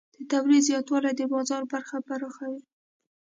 د تولید زیاتوالی د بازار برخه پراخوي.